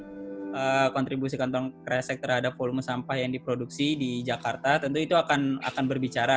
kalau kontribusi kantong kresek terhadap volume sampah yang diproduksi di jakarta tentu itu akan berbicara